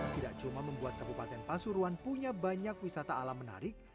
tidak cuma membuat kabupaten pasuruan punya banyak wisata alam menarik